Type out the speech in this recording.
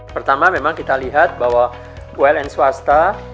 pertama memang kita lihat bahwa uln swasta